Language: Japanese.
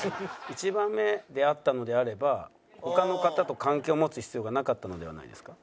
「一番目であったのであれば他の方と関係を持つ必要がなかったのではないですか？」。